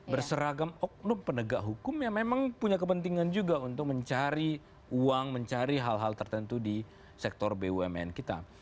berseragam oknum penegak hukum yang memang punya kepentingan juga untuk mencari uang mencari hal hal tertentu di sektor bumn kita